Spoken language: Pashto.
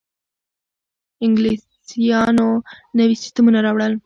انګلیسانو نوي سیستمونه راوړل.